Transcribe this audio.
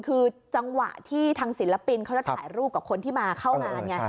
คือจังหวะที่ทางศิลปินเขาจะถ่ายรูปกับคนที่มาเข้างานไง